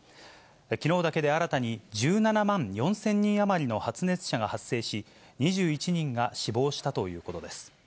きのうだけで新たに１７万４０００人余りの発熱者が発生し、２１人が死亡したということです。